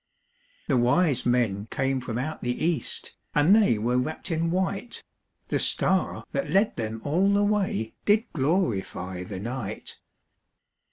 The wise men came from out the east, And they were wrapped in white; The star that led them all the way Did glorify the night.